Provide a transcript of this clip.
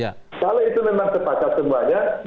kalau itu memang sepakat semuanya